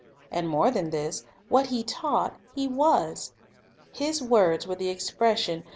And more than this; what He taught, He was. His words were the expression, not iLuke (o.